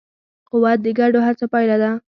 قوت د ګډو هڅو پایله ده.